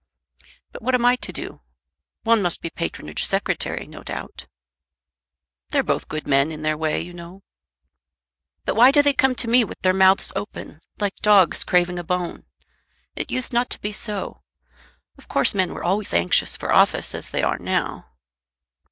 "But what am I to do? One must be Patronage Secretary, no doubt." "They're both good men in their way, you know." "But why do they come to me with their mouths open, like dogs craving a bone? It used not to be so. Of course men were always anxious for office as they are now."